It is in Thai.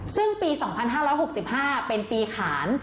ซึ่งปี๒๕๖๕เป็นปีขาน